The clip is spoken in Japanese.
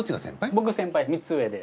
僕先輩３つ上で。